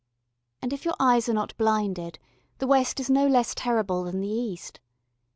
And if your eyes are not blinded, the West is no less terrible than the East.